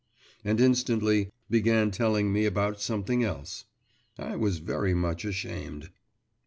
and instantly began telling me about something else.… I was very much ashamed.